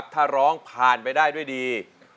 ถ้าร้องผ่านไปได้ด้วยดี